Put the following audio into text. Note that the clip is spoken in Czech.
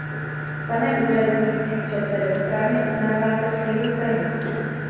Pane úřadující předsedo, správně uznáváte sílu trhu.